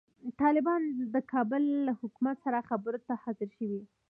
طالبان د کابل له حکومت سره خبرو ته حاضر شوي.